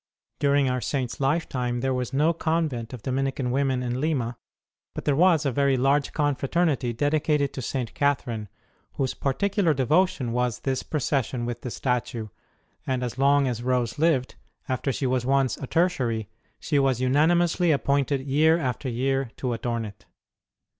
During our Saint s lifetime there was no convent of Dominican women in Lima, but there was a very large confraternity dedicated to St. Catherine, whose particular devotion was this procession with the statue ; and as long as Rose lived, after she was once a Tertiary, she was unanimously appointed year after year to adorn it.